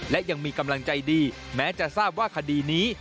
และยังมีกำลังใจดีแม้จะทราบว่าคดีนี้